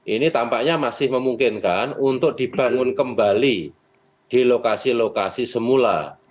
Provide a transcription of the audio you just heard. ini tampaknya masih memungkinkan untuk dibangun kembali di lokasi lokasi semula